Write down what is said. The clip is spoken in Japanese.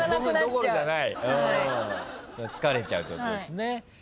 疲れちゃうということですね。